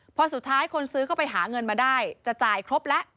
พอสุดท้ายคนซื้อเข้าไปหาเงินมาได้จะจ่ายครบแล้ว